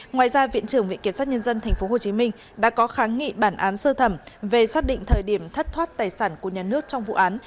ngoài ra viện trưởng viện kiểm sát nhân dân tp hcm đã có kháng nghị bản án sơ thẩm về xác định thời điểm thất thoát tài sản của nhà nước trong vụ án